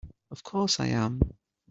Of course I am!